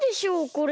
これ。